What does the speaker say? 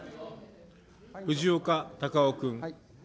藤岡隆雄君。